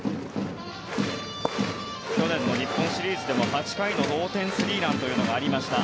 去年の日本シリーズでも８回の同点スリーランというのがありました。